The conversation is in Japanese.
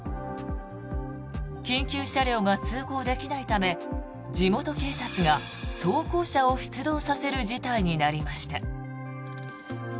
緊急車両が通行できないため地元警察が装甲車を出動させる事態になりました。